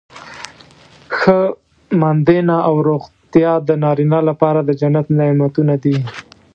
ښه ماندینه او روغتیا د نارینه لپاره د جنت نعمتونه دي.